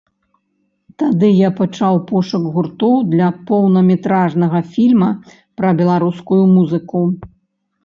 Тады я пачаў пошук гуртоў для поўнаметражнага фільма пра беларускую музыку.